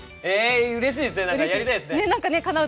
うれしいですね、やりたいですね。